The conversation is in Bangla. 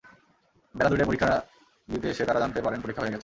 বেলা দুইটায় পরীক্ষা দিতে এসে তাঁরা জানতে পারেন পরীক্ষা হয়ে গেছে।